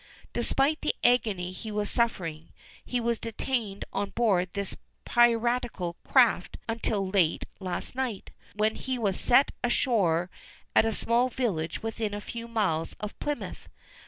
Despite the agony he was suffering, he was detained on board this piratical craft until late last night, when he was set ashore at a small village within a few miles of Plymouth.